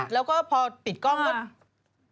แล้วก็พอปิดกล้องก็